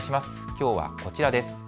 きょうはこちらです。